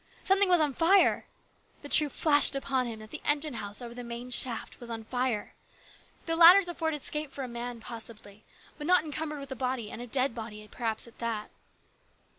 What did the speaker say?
Something was on fire ! The truth flashed upon him that the engine house over the main shaft was on 66 HIS BROTHER'S KEEPER. fire ! The ladders afforded escape for a man, possibly, but not encumbered with a body, and a dead body perhaps at that.